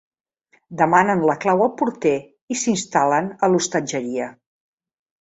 Demanen la clau al porter i s'instal·len a l'hostatgeria.